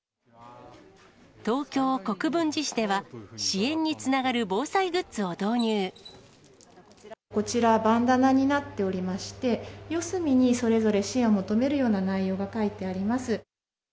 東京・国分寺市では、支援にこちら、バンダナになっておりまして、四隅にそれぞれ支援を求めるような内容が書いてあります。